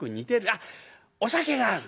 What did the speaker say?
あっお酒があるんだ。